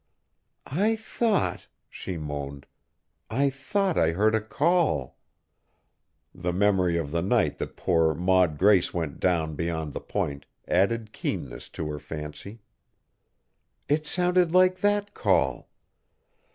"I thought!" she moaned, "I thought I heard a call!" The memory of the night that poor Maud Grace went down beyond the Point added keenness to her fancy. "It sounded like that call.